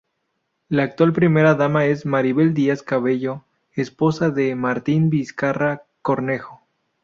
La actual primera dama es Maribel Díaz Cabello, esposa de Martín Vizcarra Cornejo.